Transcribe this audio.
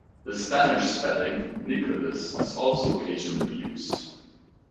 The Spanish spelling, "Nicolas" is also occasionally used.